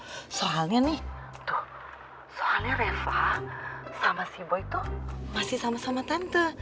tuh soalnya reva sama si boy itu masih sama sama tante